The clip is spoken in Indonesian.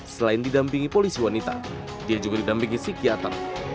selain didampingi polisi wanita dia juga didampingi psikiater